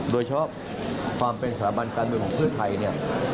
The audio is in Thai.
โดยเฉพาะความเป็นสถาบันการเมืองของเพื่อไทยเนี่ย